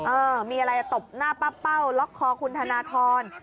เออมีอะไรตบหน้าป้าเป้าล็อกคอคุณธนทร